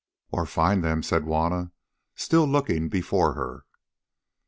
"Or find them," said Juanna, still looking before her.